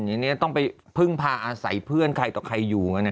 ทีนี้ต้องไปพึ่งพาอาศัยเพื่อนใครต่อใครอยู่